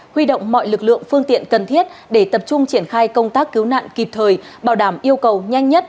huy động mọi lực lượng phương tiện cần thiết để tập trung triển khai công tác cứu nạn kịp thời bảo đảm yêu cầu nhanh nhất